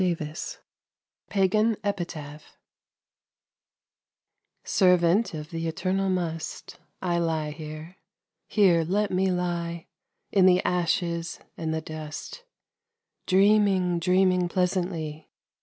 60 PAGAN EPITAPH SERVANT of the eternal Must I lie here, here let me lie, In the ashes and the dust, Dreaming, dreaming pleasantly.